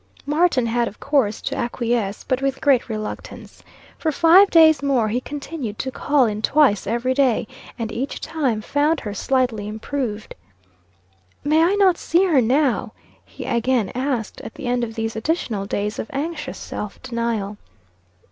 Martin had, of course, to acquiesce, but with great reluctance. For five days more he continued to call in twice every day, and each time found her slightly improved. "May I not see her now?" he again asked, at the end of these additional days of anxious self denial.